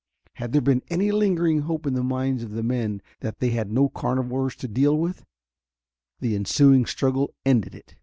Had there been any lingering hope in the minds of the men that they had no carnivores to deal with, the ensuing struggle ended it.